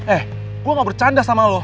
eh gue ga bercanda sama lo